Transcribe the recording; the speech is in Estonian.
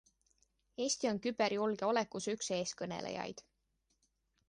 Eesti on küberjulgeolekus üks eeskõnelejaid.